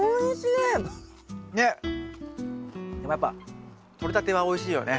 でもやっぱとれたてはおいしいよね。